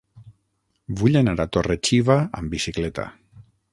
Vull anar a Torre-xiva amb bicicleta.